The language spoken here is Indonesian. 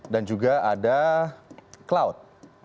dan juga ada cloud